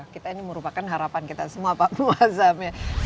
kita ini merupakan harapan kita semua pak muazzam ya